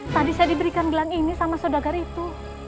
tadi saya diberikan gelang ini sama saudagar itu